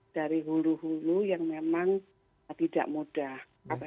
dari hulu hulu yang memang tidak mudah